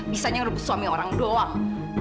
bisanya suami orang doang